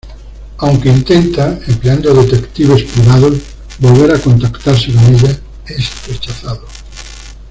Aunque intenta, empleando detectives privados, volver a contactarse con ella, es rechazado.